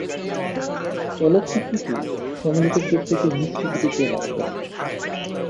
চলচ্চিত্রটি সমালোচকদের থেকে মিশ্র প্রতিক্রিয়া লাভ করে।